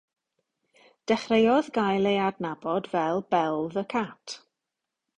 Dechreuodd gael ei adnabod fel “Bell the Cat”.